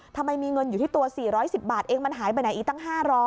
ทำไมมีเงินอยู่ที่ตัว๔๑๐บาทเองมันหายไปไหนอีกตั้ง๕๐๐